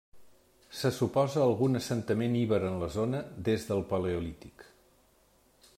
Se suposa algun assentament iber en la zona des del paleolític.